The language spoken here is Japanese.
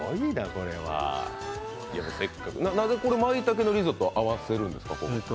なぜこれはまいたけのリゾットを合わせるんですか？